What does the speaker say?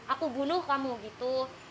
aku bunuh kamu gitu